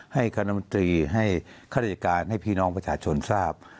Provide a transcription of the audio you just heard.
ให้คณะมนตรีให้ข้าราชการให้พี่น้องประชาชนทราบ